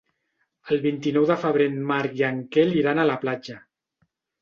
El vint-i-nou de febrer en Marc i en Quel iran a la platja.